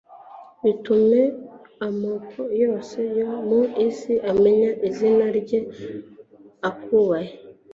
bitume amoko yose yo mu isi amenya izina ryawe, akubahe